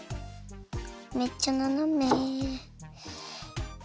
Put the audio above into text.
めっちゃななめ。